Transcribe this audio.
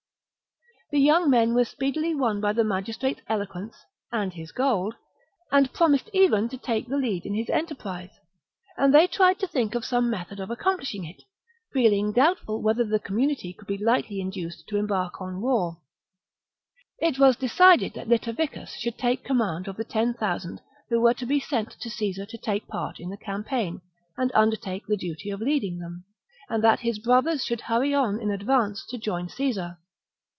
The young men were speedily won by the magistrate's eloquence and his gold, and promised even to take the lead in his enterprise ; and they tried to think of some method of accomplishing it, feeling doubtful whether the community could be lightly induced to embark on war. It was decided that Litaviccus should take command VII OF VERCINGETORIX 235 of the ten thousand who were to be sent 52 b.c. to Caesar to take part in the campaign, and undertake the duty of leading them, and that his brothers should hurry on in advance to join Caesar.